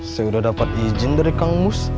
saya udah dapat izin dari kang bus